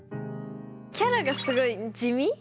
キャラがすごい地味？